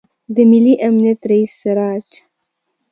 د ملي امنیت رئیس سراج